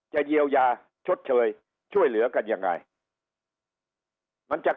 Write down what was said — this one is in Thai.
เยียวยาชดเชยช่วยเหลือกันยังไงมันจะ